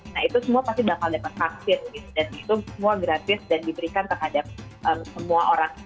nah itu semua pasti bakal dapat vaksin dan itu semua gratis dan diberikan terhadap semua orang